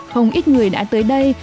không ít người đã tới đây